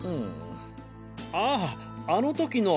あああの時の。